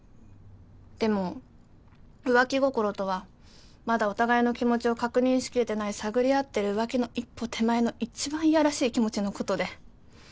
でも浮気心とはまだお互いの気持ちを確認しきれてない探り合ってる浮気の一歩手前の一番いやらしい気持ちのことで。